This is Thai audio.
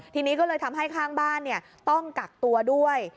ทีนี้ก็เลยทำให้ข้างบ้านต้องกักตัวด้วย